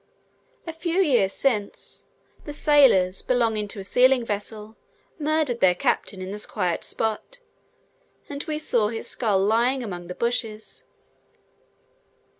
A few years since, the sailors belonging to a sealing vessel murdered their captain in this quiet spot; and we saw his skull lying among the bushes.